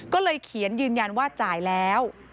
ก็เลยเขียนยืนยันว่าจ่ายแล้ว